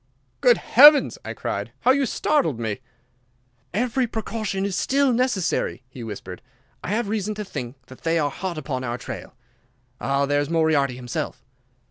"Good heavens!" I cried. "How you startled me!" "Every precaution is still necessary," he whispered. "I have reason to think that they are hot upon our trail. Ah, there is Moriarty himself."